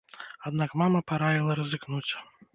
Аднак мама параіла рызыкнуць.